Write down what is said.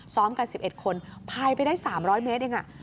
ซ้อมกัน๑๑คนภายไปได้๓๐๐เมตรอย่างน่ะ